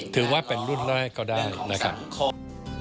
ถือว่าเป็นรุ่นหน้าให้ก็ได้หนึ่งนะครับ